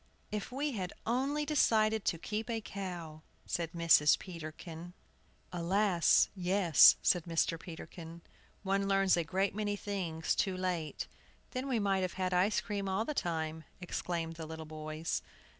"If we had only decided to keep a cow," said Mrs. Peterkin. "Alas! yes," said Mr. Peterkin, "one learns a great many things too late!" "Then we might have had ice cream all the time!" exclaimed the little boys.